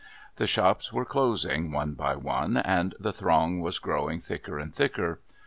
The shops were closing, one by one, and the throng was growing thicker and thicker.